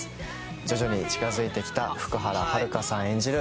徐々に近づいてきた福原遥さん演じる